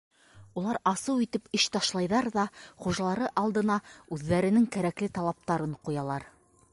Улар асыу итеп эш ташлайҙар ҙа хужалары алдына үҙҙәренең кәрәкле талаптарын ҡуялар.